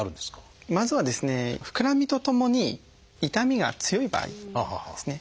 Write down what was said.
まずはですねふくらみとともに痛みが強い場合ですね。